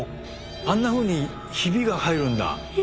あんなふうにヒビが入るんだ！